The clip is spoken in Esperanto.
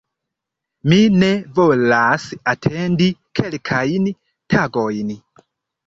Mi ne volas atendi kelkajn tagojn"